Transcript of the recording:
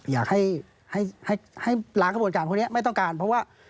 อยากให้ล้างกระบวนการพวกนี้ไม่ต้องการเพราะว่า